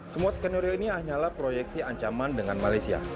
semua skenario ini hanyalah proyeksi ancaman dengan malaysia